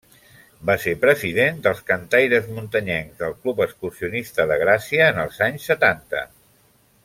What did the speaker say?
Va ser president dels Cantaires Muntanyencs del Club Excursionista de Gràcia en els anys setanta.